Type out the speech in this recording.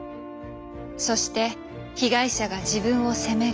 「そして被害者が自分を責める」。